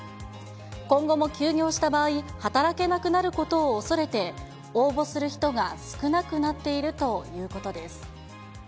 今後も休業した場合、働けなくなることを恐れて、応募する人が少なくなっているということです。